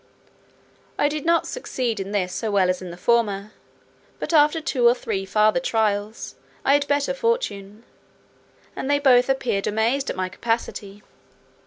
I did not succeed in this so well as in the former; but after two or three farther trials, I had better fortune; and they both appeared amazed at my capacity.